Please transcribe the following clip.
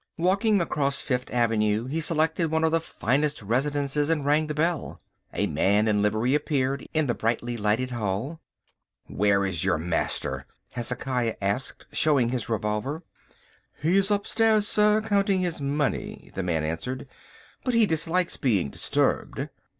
Walking across to Fifth Avenue he selected one of the finest residences and rang the bell. A man in livery appeared in the brightly lighted hall. "Where is your master?" Hezekiah asked, showing his revolver. "He is upstairs, sir, counting his money," the man answered, "but he dislikes being disturbed."